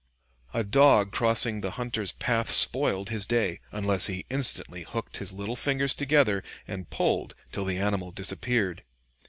A dog crossing the hunter's path spoiled his day, unless he instantly hooked his little fingers together, and pulled till the animal disappeared.